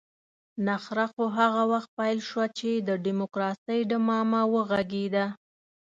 نخره خو هغه وخت پيل شوه چې د ډيموکراسۍ ډمامه وغږېده.